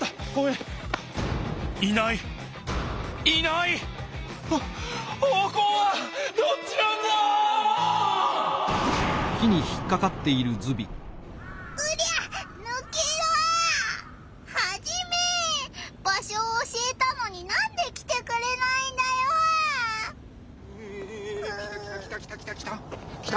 ん北きたきたきたきた。